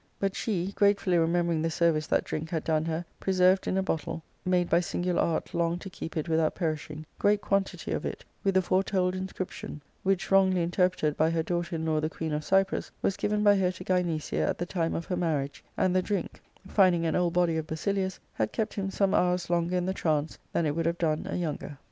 But she, gratefully remembering the service that drink had done her, preserved in a bottle, made by singular art long to keep it without perishing, great quan tity of it, with the foretold inscription, which, wrongly inter preted by her daughter in law the queen of Cyprus, was given by her to Gynecia at the time of her marriage, and the drink, finding an old body of Basilius, had kept him some hours longer in the trance than it would have done a younger.